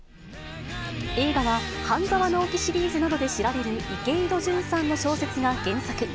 映画は、半沢直樹シリーズなどで知られる池井戸潤さんの小説が原作。